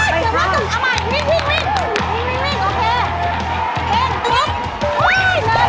มา